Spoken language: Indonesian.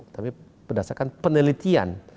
tapi berdasarkan penelitian